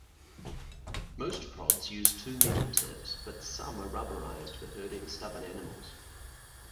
Most prods use two metal tips, but some are rubberized for herding stubborn animals.